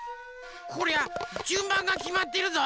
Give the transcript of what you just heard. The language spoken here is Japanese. こりゃじゅんばんがきまってるぞ。